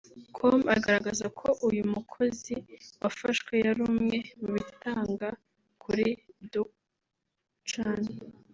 com agaragaza ko uyu mukozi wafashwe yari umwe mu bitaga kuri Duncan